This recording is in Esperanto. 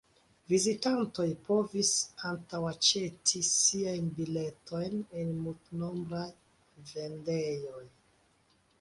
Vizitantoj povis antaŭ-aĉeti siajn biletojn en multnombraj vendejoj.